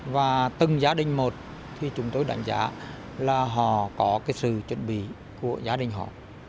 và từng gia đình một thì chúng tôi đánh giá là họ có cái sự chuẩn bị của gia đình họ